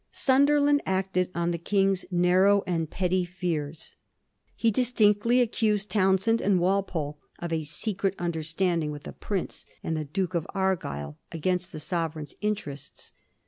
Sunderland acted on the King's narrow and petty fears. He distinctly accused Townshend and Walpole of a secret understanding with the Prince and the Duke of Argyll against the Sovereign's interests.